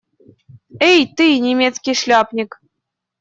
Эй ты, немецкий шляпник!